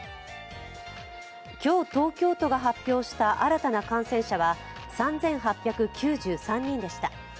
今日東京都が発表した新たな感染者は３８９３人でした。